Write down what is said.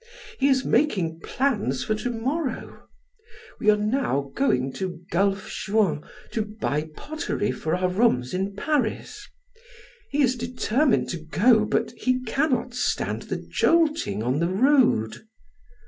He is making plans for to morrow. We are now going to Gulf Juan to buy pottery for our rooms in Paris. He is determined to go, but he cannot stand the jolting on the road."